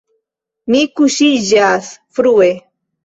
Mi kuŝiĝas frue.